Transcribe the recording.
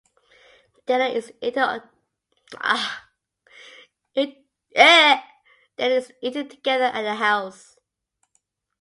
Dinner is eaten together at the house.